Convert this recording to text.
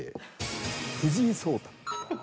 藤井聡太。